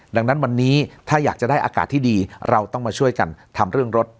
ดังนั้นวันนี้ถ้าอยากจะได้อากาศที่ดีเราต้องมาช่วยกันทำเรื่องรถ